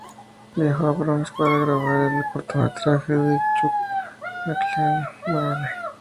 Viajó al Bronx para grabar el cortometraje de Chuck MacLean, "Marmalade".